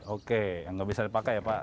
oke yang nggak bisa dipakai ya pak